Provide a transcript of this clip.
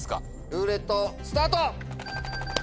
ルーレットスタート！